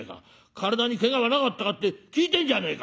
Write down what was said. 体にけがはなかったかって聞いてんじゃねえか」。